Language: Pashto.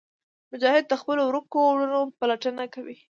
مجاهد د خپلو ورکو وروڼو پلټنه کوي.